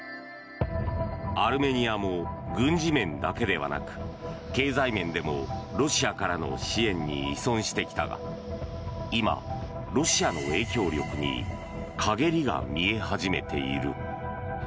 アルメニアも軍事面だけではなく経済面でもロシアからの支援に依存してきたが今、ロシアの影響力に陰りが見え始めている。